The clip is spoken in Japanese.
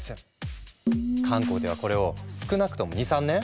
韓国ではこれを少なくとも２３年？